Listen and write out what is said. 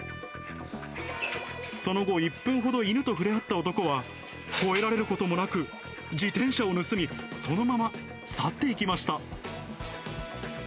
その後、１分ほど犬と触れ合った男は、ほえられることもなく自転車を盗み、そのまま去っていきました。